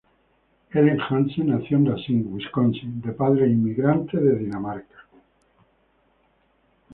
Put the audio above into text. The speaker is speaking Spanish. Ellen Hansen nació en Racine, Wisconsin, de padres inmigrantes de Dinamarca.